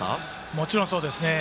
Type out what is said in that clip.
もちろんそうですね。